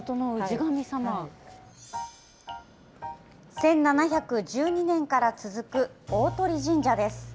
１７１２年から続く大鳥神社です。